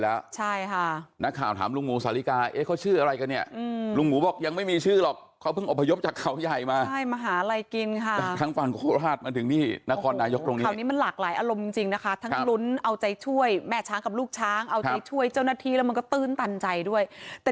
อาการโดยรวมที่เราเห็นตอนนี้คือปลอดภัย